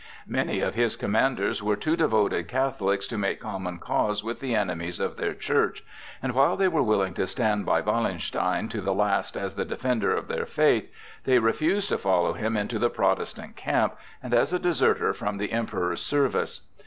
Many of his commanders were too devoted Catholics to make common cause with the enemies of their Church, and while they were willing to stand by Wallenstein to the last as the defender of their faith, they refused to follow him into the Protestant camp and as a deserter from the Emperor's service.